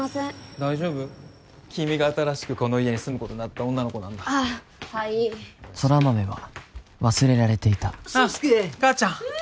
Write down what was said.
大丈夫？君が新しくこの家に住むことになった女の子なんだあっはいい空豆は忘れられていた爽介かーちゃん